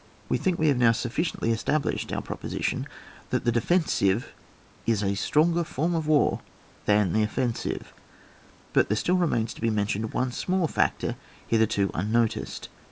We think we have now sufficiently established our proposition, that the defensive %9 a Bironger form of war than the offensive; but there still remains to be mentioned one small factor hitherto un noticed.